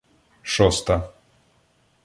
Шоста